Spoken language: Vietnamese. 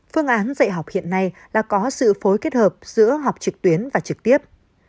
phương án dạy học hiện nay là có sự phối kết hợp giữa học trực tuyến và trực tiếp